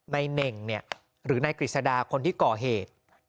เน่งหรือนายกฤษดาคนที่ก่อเหตุ